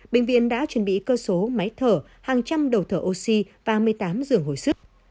bệnh viện đã chuẩn bị cơ số máy thở hàng trăm đầu thở oxy và một mươi tám giường hồi sức